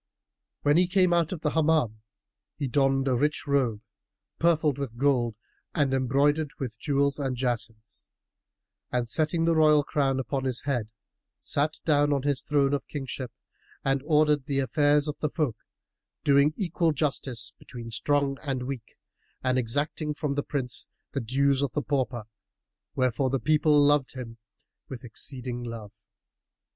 When he came out of the Hammam, he donned a rich robe, purfled with gold and embroidered with jewels and jacinths; and, setting the royal crown on his head, sat down on his throne of kingship and ordered the affairs of the folk, doing equal justice between strong and weak, and exacting from the prince the dues of the pauper; wherefore the people loved him with exceeding love.